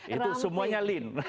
itu semuanya lean